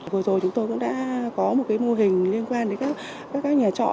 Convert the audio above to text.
vừa rồi chúng tôi cũng đã có một cái mô hình liên quan đến các nhà trọ